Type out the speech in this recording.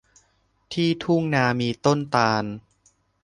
ที่ทุ่งนามีต้นตาล